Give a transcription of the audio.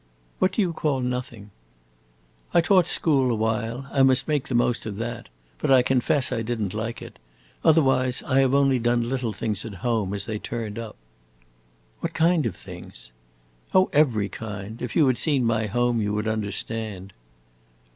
"What do you call nothing?" "I taught school a while: I must make the most of that. But I confess I did n't like it. Otherwise, I have only done little things at home, as they turned up." "What kind of things?" "Oh, every kind. If you had seen my home, you would understand."